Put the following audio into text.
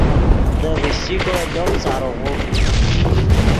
دے ڤشچیکو لوپ سارو غوڤڈ